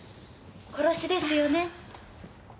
殺しですよね？